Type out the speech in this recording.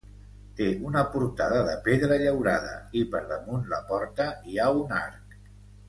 Té una portada de pedra llaurada i per damunt la porta hi ha un arc.